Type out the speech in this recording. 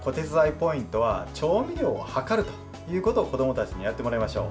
ポイントは調味料を量ることを子どもたちにやってもらいましょう。